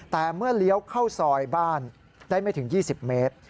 แต่เมื่อเลี้ยวเข้าซอยบ้านได้ไม่ถึง๒๐เมตร